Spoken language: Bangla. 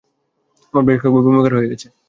আমার বেশ কয়েকবার বমি করা হয়ে গেছে!